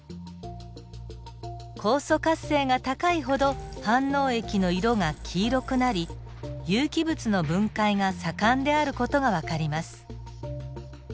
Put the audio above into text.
酵素活性が高いほど反応液の色が黄色くなり有機物の分解が盛んである事がわかります。